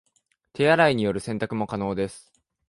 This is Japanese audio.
手洗いによる洗濯も可能です